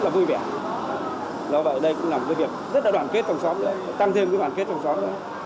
tăng thêm cái đoàn kết trong xóm